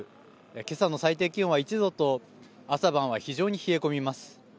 今朝の最低気温は１度と朝晩は非常に冷え込みます。